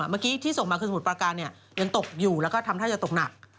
เมื่อกี้ที่ส่งมาคือสมุทรประการยังตกอยู่แล้วก็ทำท่าจะตกหนัก